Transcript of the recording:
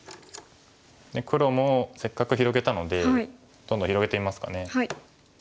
黒もせっかく広げたのでどんどん広げてみますかね。